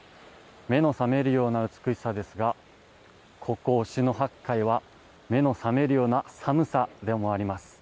目の覚めるような美しさですがここ、忍野八海は目の覚めるような寒さでもあります。